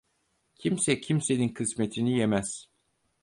Kimse kimsenin kısmetini yemez.